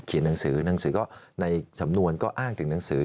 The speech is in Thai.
หนังสือหนังสือก็ในสำนวนก็อ้างถึงหนังสือ